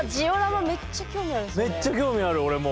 めっちゃ興味ある俺も。